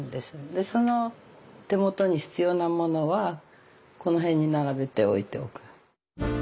でその手元に必要なものはこの辺に並べて置いておく。